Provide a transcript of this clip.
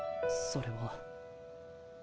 それは。